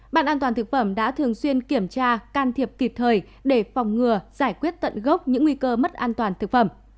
bạn an toàn thực phẩm đã thường xuyên kiểm tra can thiệp kịp thời để phòng ngừa giải quyết tận gốc những nguy cơ mất an toàn thực phẩm